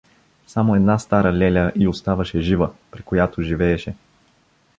Само една стара леля й остаяше жива, при която живееше.